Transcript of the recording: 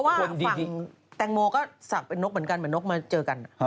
ฝั่งแตงโมก็ศักดิ์เป็นนกเหมือนกันเหมือนนกมาเจอกัน